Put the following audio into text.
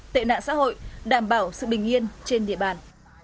tệ nạn xã hội đảm bảo sự bình yên trên địa bàn